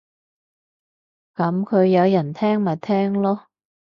噉佢有人聽咪聽囉